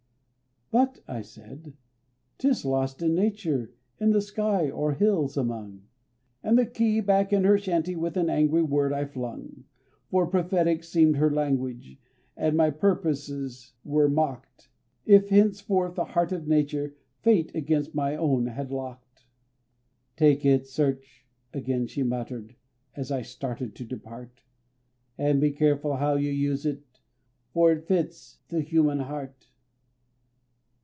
"But," said I, "'tis lost in nature, in the sky or hills among," And the key back in her shanty with an angry word I flung; For prophetic seemed her language, and my purposes were mocked, If henceforth the heart of nature, Fate against my own had locked. "Take it, search," again she muttered, as I started to depart; "And be careful how you use it; for it fits the human heart."